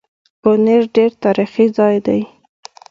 بونېر ډېر تاريخي ځای دی